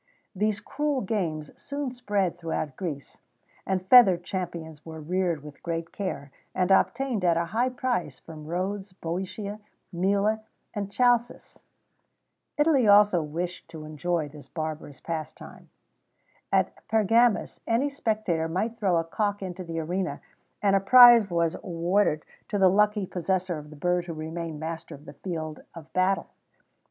[XVII 8] These cruel games soon spread throughout Greece, and feathered champions were reared with great care, and obtained at a high price from Rhodes, Bœotia, Mela, and Chalcis.[XVII 9] Italy also wished to enjoy this barbarous pastime. At Pergamus, any spectator might throw a cock into the arena, and a prize was awarded to the lucky possessor of the bird who remained master of the field of battle.